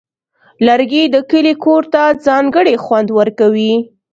لرګی د کلي کور ته ځانګړی خوند ورکوي.